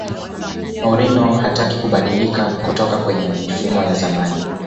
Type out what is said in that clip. mourinho hataki kubadilika kutoka kwenye mifumo ya zamani